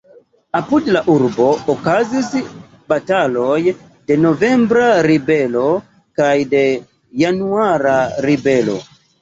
Apud la urbo okazis bataloj de novembra ribelo kaj de januara ribelo.